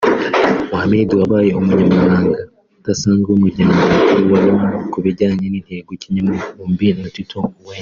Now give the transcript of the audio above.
Mohammed wabaye Umujyanama udasanzwe w’Umunyamabanga Mukuru wa Loni ku bijyanye n’intego z’ikinyagihumbi na Tito Mboweni